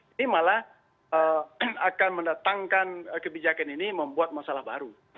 ini malah akan mendatangkan kebijakan ini membuat masalah baru